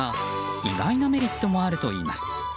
意外なメリットもあるといいます。